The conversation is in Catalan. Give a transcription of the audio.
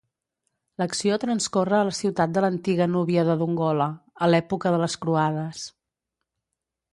L'acció transcorre a la ciutat de l'antiga núbia de Dongola, a l'època de les Croades.